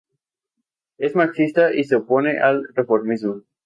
Es marxista y se opone al reformismo.